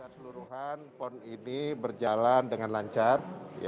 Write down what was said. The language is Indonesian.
seluruhan pon ini berjalan dengan lancar